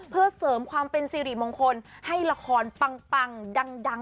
เพื่อเสริมความเป็นสิริมงคลให้ละครปังดัง